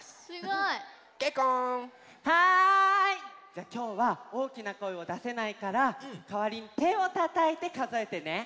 じゃあきょうはおおきなこえをだせないからかわりにてをたたいてかぞえてね！